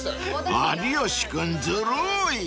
［有吉君ずるい］